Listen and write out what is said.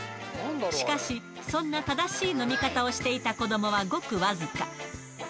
しかし、そんな正しい飲み方をしていた子どもはごくわずか。